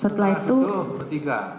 setelah itu berdiga